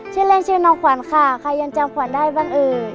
ชื่อเล่นชื่อน้องขวัญค่ะใครยังจำขวัญได้บ้างเอ่ย